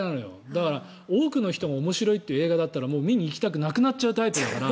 だから、多くの人が面白いって言う映画だったら見に行きたくなくなっちゃうタイプだから。